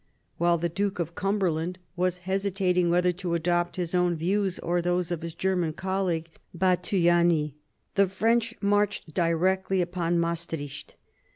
While the Duke of Cumberland was hesitating whether to adopt his own views or those of his German colleague Bathyany, the French marched directly upon Maestricht.